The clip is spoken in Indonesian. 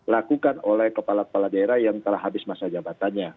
lakukan oleh kepala kepala daerah yang telah habis masa jabatannya